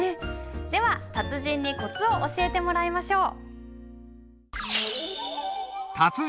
では達人にコツを教えてもらいましょう。